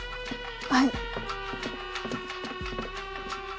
はい。